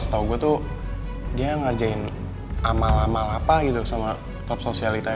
setahu gue tuh dia ngerjain amal amal apa gitu sama klub sosialita